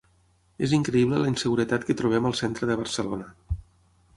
És increïble la inseguretat que trobem al centre de Barcelona.